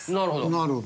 なるほど！